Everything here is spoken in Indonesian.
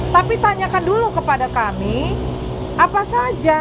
tapi tanyakan dulu kepada kami apa saja